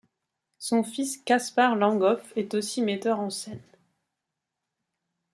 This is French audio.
Son fils Caspar Langhoff est aussi metteur en scène.